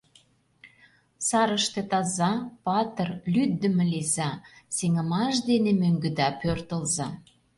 Сарыште таза, патыр, лӱддымӧ лийза, сеҥымаш дене мӧҥгыда пӧртылза!